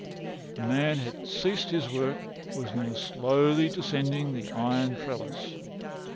The man had ceased his work and was now slowly descending the iron trellis.